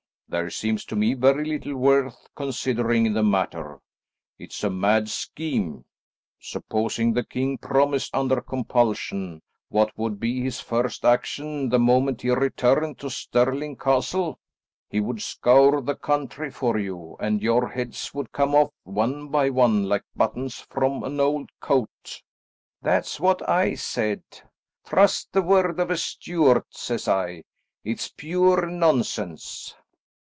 "There seems to me very little worth considering in the matter. It is a mad scheme. Supposing the king promised under compulsion, what would be his first action the moment he returned to Stirling Castle? He would scour the country for you, and your heads would come off one by one like buttons from an old coat." "That's what I said. 'Trust the word of a Stuart,' says I, 'it's pure nonsense!'"